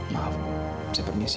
maaf saya permisi